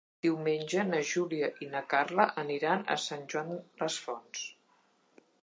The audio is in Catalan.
Diumenge na Júlia i na Carla aniran a Sant Joan les Fonts.